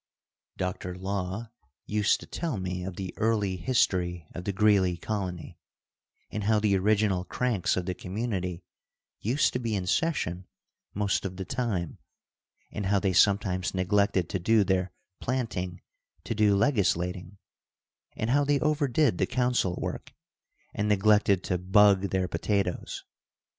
Dr. Law used to tell me of the early history of the Greeley Colony, and how the original cranks of the community used to be in session most of the time, and how they sometimes neglected to do their planting to do legislating, and how they overdid the council work and neglected to "bug" their potatoes.